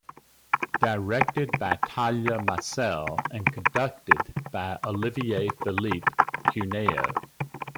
Directed by Talya Masel and conducted by Ollivier-Philippe Cuneo.